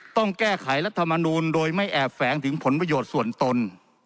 ต้องแก้ไขรัฐมนูลโดยไม่แอบแฝงถึงผลประโยชน์ส่วนตน